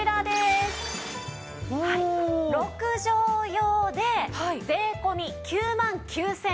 ６畳用で税込９万９８００円。